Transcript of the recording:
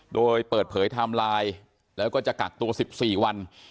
โดยเปิดเผยไทม์ไลน์แล้วก็จะกักตัว๑๔วัน